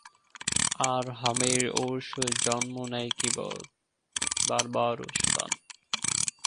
আর হামের ঔরসে জন্ম নেয় কিবত, বারবার ও সূদান।